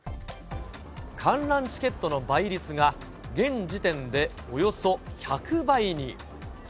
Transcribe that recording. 観覧チケットの倍率が現時点でおよそ１００倍に。